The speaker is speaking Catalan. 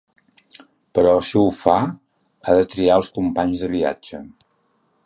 Però si ho fa ha de triar els companys de viatge.